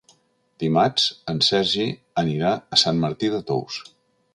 Dimarts en Sergi anirà a Sant Martí de Tous.